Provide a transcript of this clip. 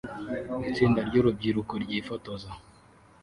Itsinda ryurubyiruko rwifotoza